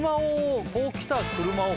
車を。